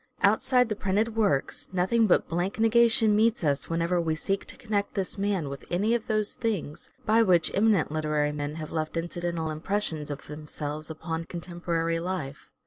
Outside the printed works nothing but blank negation meets us whenever we seek to connect this man with any of those things by which eminent literary men have left incidental impressions of themselves upon contemporary life.